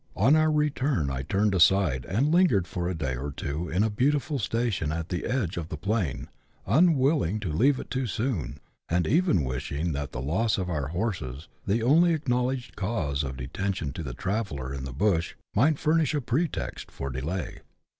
On our return I turned aside, and lingered for a day or two in a beautiful station at the edge of the plain, unwilling to leave it too soon, and even wishing that the loss of our horses, the only acknowledged cause of detention to the traveller in the bush, might furnish a pretext for delay.